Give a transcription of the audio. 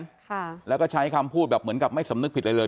ค่ะแล้วก็ใช้คำพูดแบบเหมือนกับไม่สำนึกผิดอะไรเลย